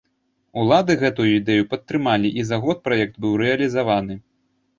Улады гэтую ідэю падтрымалі і за год праект быў рэалізаваны.